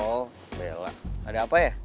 oh bella ada apa ya